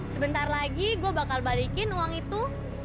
sebentar lagi gue bakal balikin uang itu